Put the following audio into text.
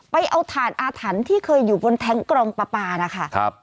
ไปเอาถ่านอาถรรพ์ที่เคยอยู่บนแท้งกรองปลาปลานะคะ